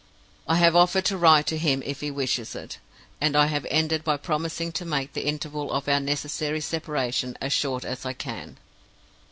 I have offered to write to him if he wishes it; and I have ended by promising to make the interval of our necessary separation as short as I can.